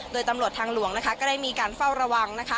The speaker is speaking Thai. โดยตำรวจทางหลวงก็ได้มีการเฝ้าระวังนะคะ